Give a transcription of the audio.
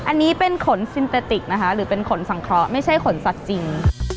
อันนี้เป็นขนซินเตอร์ติกนะคะหรือเป็นขนสังเคราะห์ไม่ใช่ขนสัตว์จริง